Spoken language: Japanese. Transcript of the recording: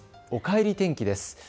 おかえり天気です。